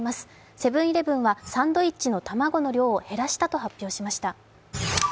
セブン−イレブンはサンドイッチの卵の量を減らしたと発表しました。